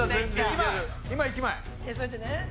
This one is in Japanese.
今１枚。